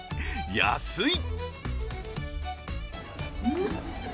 安い！